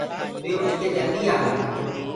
وي اُٺ ڪي جلدي آگآ۔